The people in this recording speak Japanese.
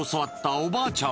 おばあちゃん